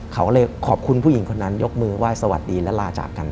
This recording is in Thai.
เขาเลยขอบคุณผู้หญิงคนนั้นยกมือไหว้สวัสดีและลาจากกัน